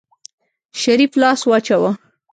شريف لاس واچوه.